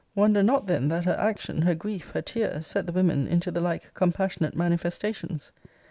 Wonder not then that her action, her grief, her tears, set the women into the like compassionate manifestations.